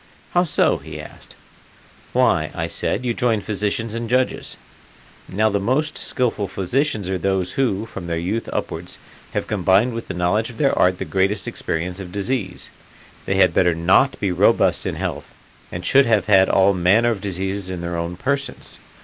How so? he asked. Why, I said, you join physicians and judges. Now the most skilful physicians are those who, from their youth upwards, have combined with the knowledge of their art the greatest experience of disease; they had better not be robust in health, and should have had all manner of diseases in their own persons.